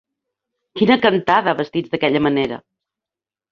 Quina cantada, vestits d'aquella manera!